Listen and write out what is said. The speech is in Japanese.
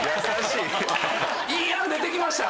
いい案出て来ました？